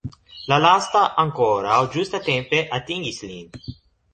La lasta ankoraŭ ĝustatempe atingis lin.